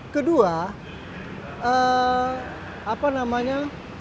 kedua apa namanya